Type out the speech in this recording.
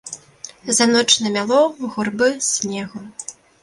За ноч намяло гурбы снегу.